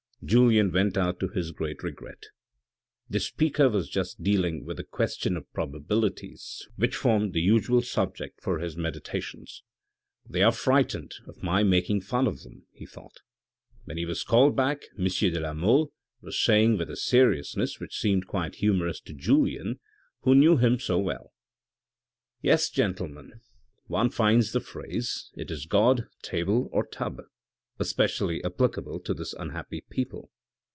Julien went out to his great regret. The speaker was just dealing with the question of probabilities which formed the usual subject for his meditations. " They are frightened of my making fun of them," he thought. When he was called back, M. de la Mole was saying with a seriousuess which seemed quite humorous to Julien who knew him so well, " Yes, gentlemen, one finds the phrase, ' is it god, table or tub ?' especially applicable to this unhappy people.